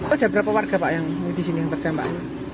ada berapa warga pak yang disini yang terkena pak